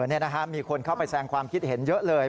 นี่นะฮะมีคนเข้าไปแสงความคิดเห็นเยอะเลย